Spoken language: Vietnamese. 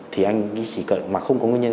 thì anh ấy chỉ cần mà không có nguyên nhân